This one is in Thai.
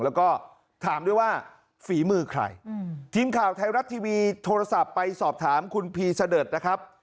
แล้วก็ถามด้วยว่าฝีมือใครทีมข่าวไทยรัฐทีวีโทรศัพท์ไปสอบถามคุณพีเสดิร์ดนะครับ